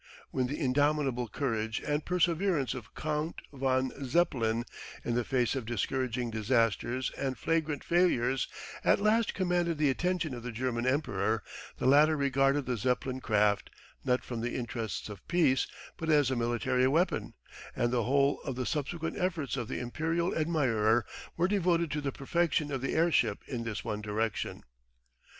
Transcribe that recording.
When the indomitable courage and perseverance of Count von Zeppelin in the face of discouraging disasters and flagrant failures, at last commanded the attention of the German Emperor, the latter regarded the Zeppelin craft, not from the interests of peace, but as a military weapon, and the whole of the subsequent efforts of the Imperial admirer were devoted to the perfection of the airship in this one direction.